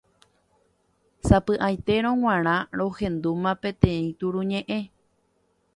Sapy'aitérõ g̃uarã rohendúma peteĩ turuñe'ẽ.